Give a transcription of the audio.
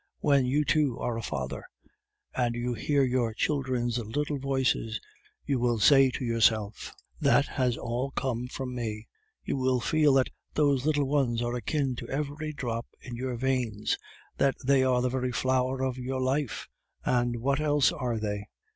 When you, too, are a father, and you hear your children's little voices, you will say to yourself, 'That has all come from me.' You will feel that those little ones are akin to every drop in your veins, that they are the very flower of your life (and what else are they?)